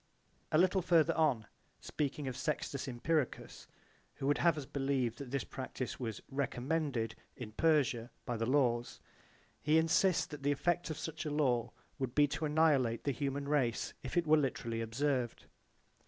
B.) A little further on, speaking of Sextus Empiricus who would have us believe that this practise was ''recommended'' in Persia by the laws, he insists that the effect of such a law would be to annihilate the human race if it were literally observed.